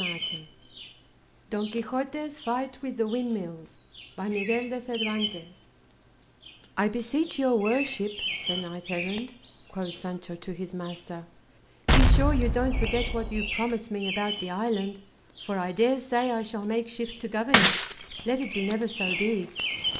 _ HENRY NEWBOLT DON QUIXOTE'S FIGHT WITH THE WINDMILLS "I beseech your worship, Sir Knight errant," quoth Sancho to his master, "be sure you don't forget what you promised me about the island; for I dare say I shall make shift to govern it, let it be never so big."